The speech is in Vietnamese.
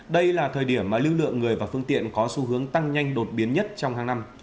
đây là thời điểm mà lưu lượng người và phương tiện có xu hướng tăng nhanh đột biến nhất trong hàng năm